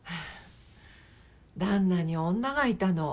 旦那に女がいたの。